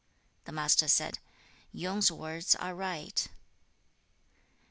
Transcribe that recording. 4. The Master said, 'Yung's words are right.'